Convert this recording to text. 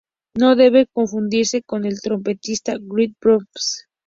No debe confundirse con el trompetista Wild Bill Davison.